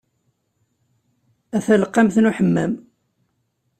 A taleqqamt n uḥemmam.